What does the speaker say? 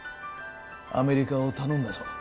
アメリカを頼んだぞ。